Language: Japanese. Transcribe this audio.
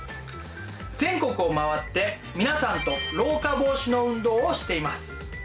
全国を回って皆さんと老化防止の運動をしています。